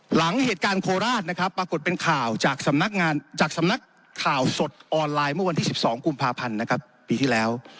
หลังเหตุการณ์โคนลาศปรากฏเป็นข่าวจากสำนักข่าวสดออนไลน์เมื่อวันที่๑๒กุมภาพันธุ์ปีที่แล้ว